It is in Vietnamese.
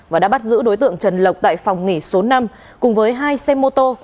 và đã bắt giữ đối tượng trần lộc tại phòng nghỉ số năm cùng với hai xe mô tô